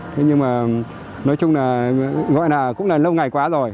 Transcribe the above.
thế nhưng mà nói chung là gọi là cũng là lâu ngày quá rồi